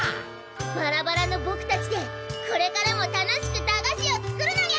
バラバラのぼくたちでこれからも楽しく駄菓子を作るのにゃ！